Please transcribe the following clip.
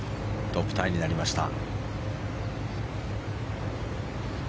トップタイになりました。